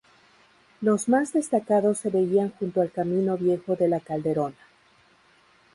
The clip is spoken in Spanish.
Los más destacados se veían junto al "Camino Viejo" de la Calderona.